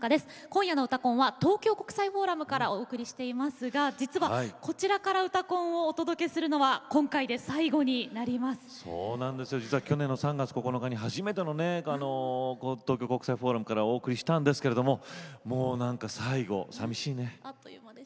今夜の「うたコン」は東京国際フォーラムからお送りしますが実は、こちらから「うたコン」をお届けするのは去年の３月９日に初めての東京国際フォーラムからお送りしたんですけれども最後、寂しいね。